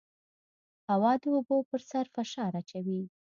هوا د اوبو پر سر فشار اچوي.